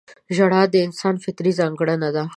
• ژړا د انسان فطري ځانګړنه ده.